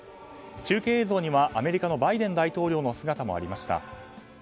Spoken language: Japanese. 中継映像にはアメリカのバイデン大統領の姿もありました。